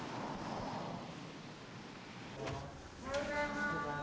・おはようございます。